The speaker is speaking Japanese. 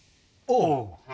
おう。